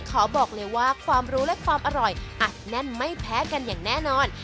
ขอบอกเลยว่าความรู้และความอร่อยอัดแน่นไม่แพ้กันอย่างแน่นอน